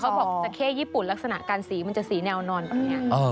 เขาบอกจาแค่ญี่ปุ่นลักษณะการสีมันจะสีแนวนอน